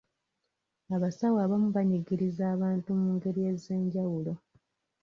Abasawo abamu banyigiriza abantu mu ngeri ez'enjawulo.